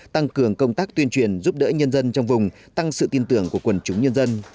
tăng cường công tác tuyên truyền giúp đỡ nhân dân trong vùng tăng sự tin tưởng của quần chúng nhân dân